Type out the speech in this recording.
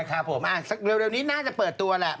ครับผมเร็วนี้น่าจะเปิดตัวแหละ